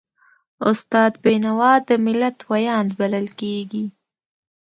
استاد بینوا د ملت ویاند بلل کېږي.